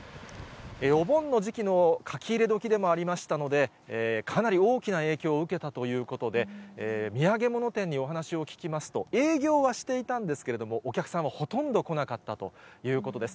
お盆の時期の書き入れ時でもありましたので、かなり大きな影響を受けたということで、土産物店にお話を聞きますと、営業はしていたんですけれども、お客さんはほとんど来なかったということです。